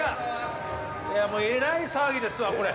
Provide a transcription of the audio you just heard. いやもうえらい騒ぎですわこれ。